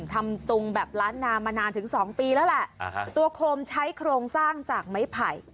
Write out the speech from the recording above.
ตรงแบบล้านนามานานถึงสองปีแล้วแหละตัวโคมใช้โครงสร้างจากไม้ไผ่